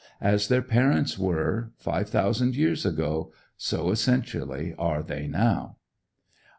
As their parents were, five thousand years ago, so, essentially, are they now.